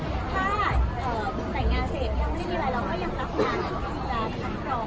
ใช่คงไม่ได้ถึงสักอย่างนะหรอกแต่ว่าอย่างพักอย่างเก่งเลยนะครับ